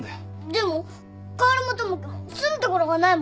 でも薫も友樹も住む所がないもん。